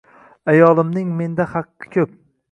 Ayolimning menda haqi ko‘p.